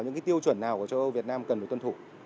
những cái tiêu chuẩn nào của châu âu việt nam cần phải tuân thủ